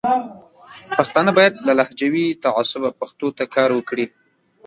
پښتانه باید بې له لهجوي تعصبه پښتو ته کار وکړي.